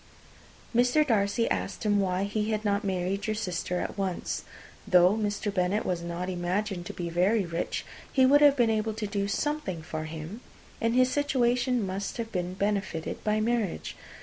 Mr. Darcy asked why he did not marry your sister at once. Though Mr. Bennet was not imagined to be very rich, he would have been able to do something for him, and his situation must have been benefited by marriage.